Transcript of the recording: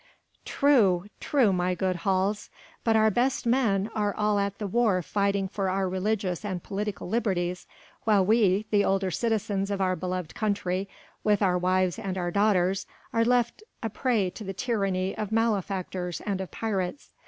"True! true, my good Hals! But our best men are all at the war fighting for our religious and political liberties, while we the older citizens of our beloved country with our wives and our daughters are left a prey to the tyranny of malefactors and of pirates.